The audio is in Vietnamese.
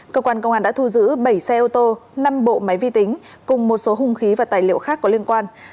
cơ quan công an đã thu giữ bảy xe ô tô năm bộ máy vi tính cùng một số hung khí và tài liệu khác có liên quan